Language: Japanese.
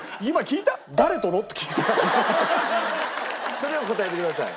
それを答えてください。